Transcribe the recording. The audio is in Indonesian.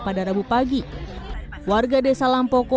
pada rabu pagi warga desa lampoko